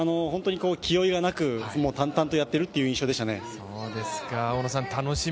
気負いがなく淡々とやってるという印象でしたね。